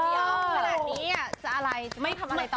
เยอะขนาดนี้จะอะไรจะไม่ทำอะไรต่อ